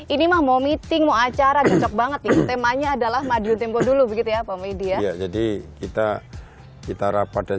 ini mau meeting acara banget temanya adalah dulu begitu ya pak media jadi kita kita rapat dan